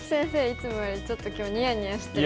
いつもよりちょっと今日ニヤニヤしてる。